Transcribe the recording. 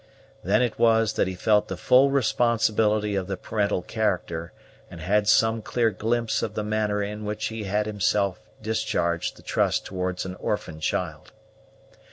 Then it was that he felt the full responsibility of the parental character, and had some clear glimpse of the manner in which he himself had discharged the trust towards an orphan child.